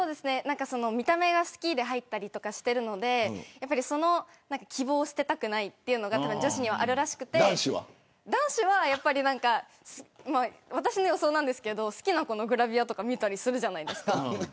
見た目が好きで入ったりしているので希望を捨てたくないというのが女子にはあるらしくて男子は私の予想ですが好きな子のグラビアとか見たりするじゃないですか。